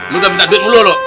lu udah minta duit mulu lu